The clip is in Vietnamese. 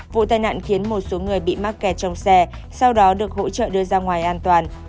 vụ tai nạn khiến một số người bị mắc kẹt trong xe sau đó được hỗ trợ đưa ra ngoài an toàn